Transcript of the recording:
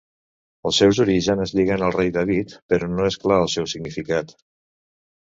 Els seus orígens es lliguen al rei David però no és clar el seu significat.